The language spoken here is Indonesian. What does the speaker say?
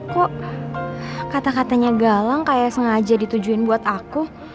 kok kata katanya galang kayak sengaja ditujuin buat aku